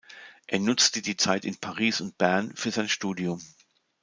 Er nutzte die Zeit in Paris und Bern für sein Studium.